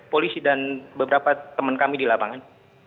polisi dan beberapa teman kami di lapangan